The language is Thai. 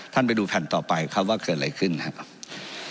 ท่านไปดูแผ่นต่อไปครับว่าเกิดอะไรขึ้นครับ